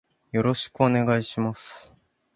よろしくお願いします。